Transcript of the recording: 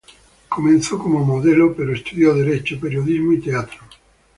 Comenzó como modelo, pero estudió derecho, periodismo y teatro.